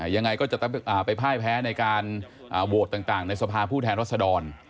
ยังไงก็จะไปพ่ายแพ้ในการโหวตต่างในสภาผู้แทนรัศดร